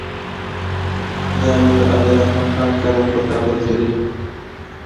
د امير عبدالرحمن خان قبر په کابل کی دی